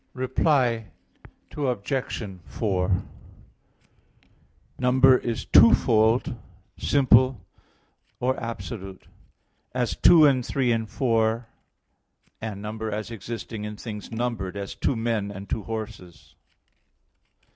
Reply Obj. 4: Number is twofold, simple or absolute, as two and three and four; and number as existing in things numbered, as two men and two horses.